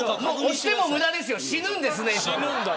押しても無駄ですよ死ぬんでスネイプは。